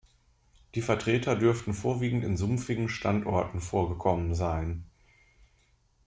Die Vertreter dürften vorwiegend in sumpfigen Standorten vorgekommen sein.